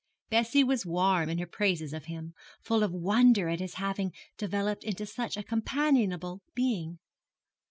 Bessie was warm in her praises of him, full of wonder at his having developed into such a companionable being.